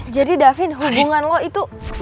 jadi da vin hubungan lo itu